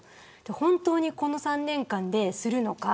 本当に、この３年間でするのか。